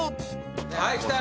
はい来たよ